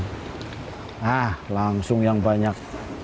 nah langsung yang banyak